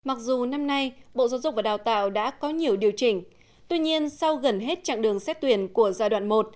mặc dù năm nay bộ giáo dục và đào tạo đã có nhiều điều chỉnh tuy nhiên sau gần hết chặng đường xét tuyển của giai đoạn một